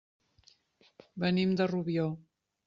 Venim de Rubió.